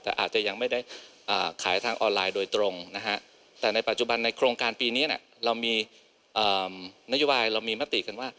แต่อาจจะยังไม่ได้ขายทางออนไลน์โดยตรงนะฮะแต่ในปัจจุบันในโครงการปีนี้เรามีนโยบายเรามีมติกันว่า